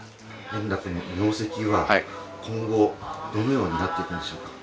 円楽の名跡は、今後、どのようになっていくんでしょうか。